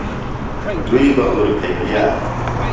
دُئی بہ اُربھےۡ گِیہ۔